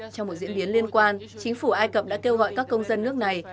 trong một diễn biến liên quan chính phủ ai cập đã kêu gọi các công dân nước này